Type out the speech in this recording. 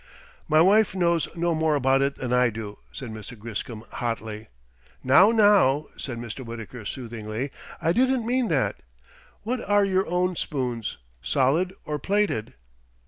"My wife knows no more about it than I do," said Mr. Griscom hotly. "Now, now," said Mr. Wittaker soothingly. "I didn't mean that. What are your own spoons, solid or plated?"